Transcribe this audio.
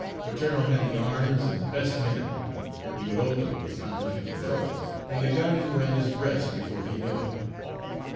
Paterno had the arms and the best men. Igorroto was not looking for trouble, and the guns were at his breast before he knew it.